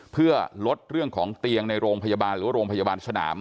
เพื่อลดเรื่องของเตียงในโรงพยาบาลหรือว่าโรงพยาบาลสนาม